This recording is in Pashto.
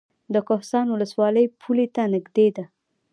کهسان ولسوالۍ پولې ته نږدې ده؟